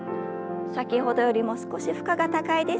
先ほどよりも少し負荷が高いです。